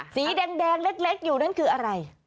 สีแดงเล็กอยู่นั่นคืออะไร